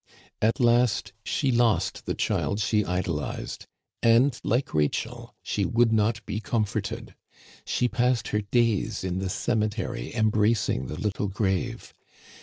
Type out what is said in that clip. " At last she lost the child she idolized ; and, like Rachel, she would not be comforted. She passed her days in the cemetery embracing the little grave.